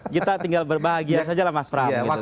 kita tinggal berbahagia sajalah mas pram